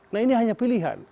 nah ini hanya pilihan